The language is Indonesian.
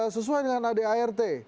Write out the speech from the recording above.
sesuai dengan adirt